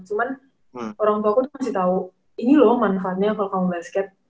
cuman orang tuaku tuh masih tau ini loh manfaatnya kalau kamu basket